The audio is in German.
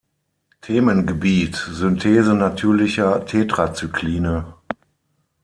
Themengebiet: Synthese natürlicher Tetracycline.